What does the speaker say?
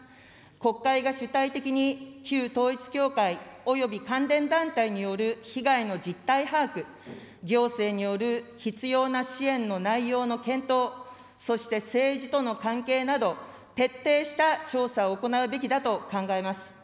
国会が主体的に旧統一教会および関連団体による被害の実態把握、行政による必要な支援の内容の検討、そして政治との関係など、徹底した調査を行うべきだと考えます。